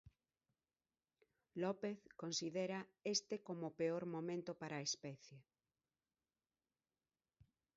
López considera este como o peor momento para a especie.